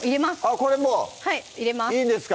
これもういいんですか？